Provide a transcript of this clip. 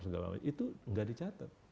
segala macam itu nggak dicatat